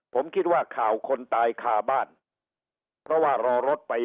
ผมคิดว่าข่าวคนตายฆ่าบ้านเพราะว่ารอรถไปรับมาไม่ทัน